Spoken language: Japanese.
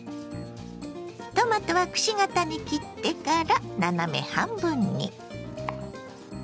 トマトはくし形に切ってから斜め半分に。